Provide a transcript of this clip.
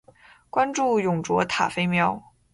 关注永雏塔菲喵